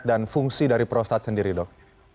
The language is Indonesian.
dan fungsi dari prostat sendiri dok